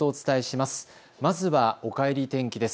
まずは、おかえり天気です。